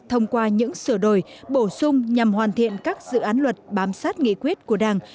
thông qua những sửa đổi bổ sung nhằm hoàn thiện các dự án luật bám sát nghị quyết của đảng